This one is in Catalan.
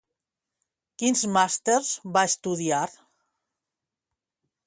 Quins màsters va estudiar?